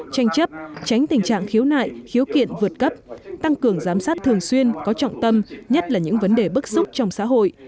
tranh chấp tránh tình trạng khiếu nại khiếu kiện vượt cấp tăng cường giám sát thường xuyên có trọng tâm nhất là những vấn đề bức xúc trong xã hội